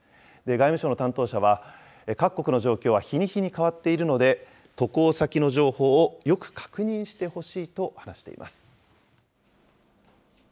外務省の担当者は、各国の状況は日に日に変わっているので、渡航先の情報をよく確認してほしいと話しています。